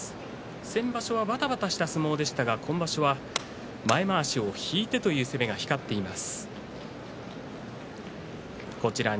先場所はばたばたした相撲でしたが今場所は前まわしを引いてという攻めが光っています。